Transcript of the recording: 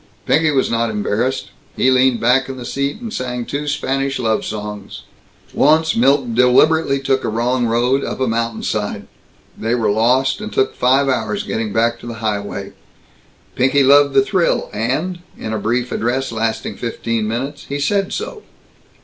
Pinky was not embarrassed. He leaned back in the seat and sang two Spanish love songs. Once Milt deliberately took a wrong road, up a mountainside. They were lost, and took five hours getting back to the highway. Pinky loved the thrill and in a brief address lasting fifteen minutes he said so.